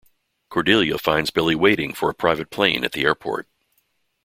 Cordelia finds Billy waiting for a private plane at the airport.